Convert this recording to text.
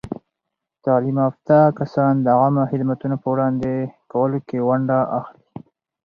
تعلیم یافته کسان د عامه خدمتونو په وړاندې کولو کې ونډه اخلي.